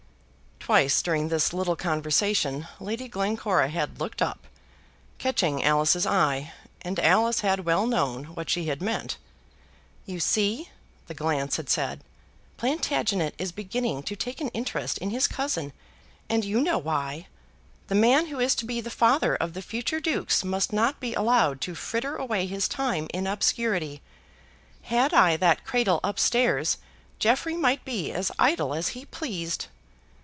Twice during this little conversation Lady Glencora had looked up, catching Alice's eye, and Alice had well known what she had meant. "You see," the glance had said, "Plantagenet is beginning to take an interest in his cousin, and you know why. The man who is to be the father of the future dukes must not be allowed to fritter away his time in obscurity. Had I that cradle up stairs Jeffrey might be as idle as he pleased."